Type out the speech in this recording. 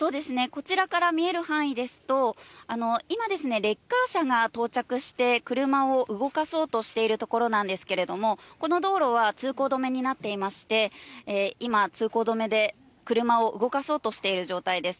こちらから見える範囲ですと、今ですね、レッカー車が到着して、車を動かそうとしているところなんですけれども、この道路は通行止めになっていまして、今、通行止めで、車を動かそうとしている状態です。